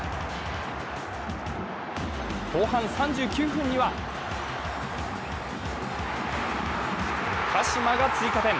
後半３９分には鹿島が追加点。